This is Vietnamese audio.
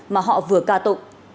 mà họ vừa ca tụng